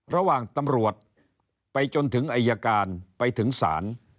ระหว่างตำรวจไปจนถึงอายการไปถึงศาล